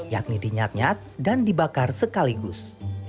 yakni dinyat nyat dan dibakar sekaligus